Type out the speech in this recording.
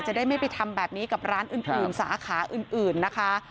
ได้ไม่ไปทำแบบนี้กับร้านอื่นสาขาอื่นนะคะ